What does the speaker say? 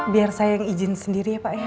biar saya yang izin sendiri ya pak ya